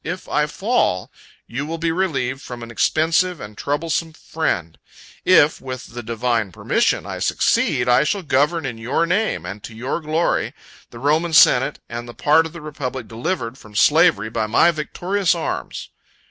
If I fall, you will be relieved from an expensive and troublesome friend: if, with the divine permission, I succeed, I shall govern in your name, and to your glory, the Roman senate, and the part of the republic delivered from slavery by my victorious arms."